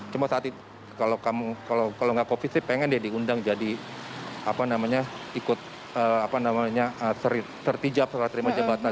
cuma saat itu kalau tidak covid sembilan belas pengen dia diundang jadi ikut sertijak setelah terima jabatan